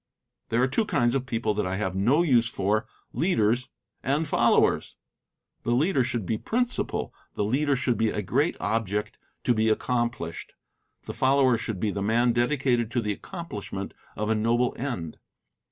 There are two kinds of people that I have no use for leaders and followers. The leader should be principle; the leader should be a great object to be accomplished. The follower should be the man dedicated to the accomplishment of a noble end.